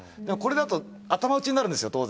でもこれだと頭打ちになるんですよ